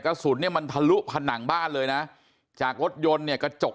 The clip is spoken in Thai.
กระสุนเนี่ยมันทะลุผนังบ้านเลยนะจากรถยนต์เนี่ยกระจก